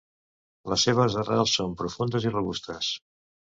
Les seves arrels són profundes i robustes.